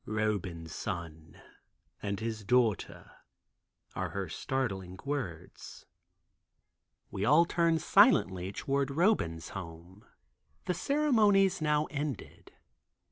"Roban's son, and his daughter," are her startling words. We all turn silently toward Roban's home. The ceremonies now ended.